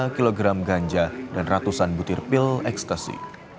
lima kg ganja dan ratusan butir pil ekstasi